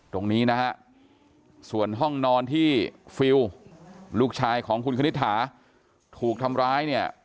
ตรงนี้นะฮะส่วนห้องนอนที่ฟิลลูกชายของคุณคณิตถาถูกทำร้ายเนี่ย